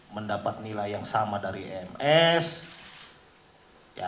mendapat nilai yang sama dari ims